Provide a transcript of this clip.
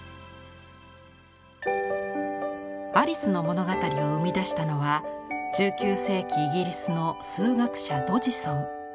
アリスの物語を生み出したのは１９世紀イギリスの数学者ドジソン。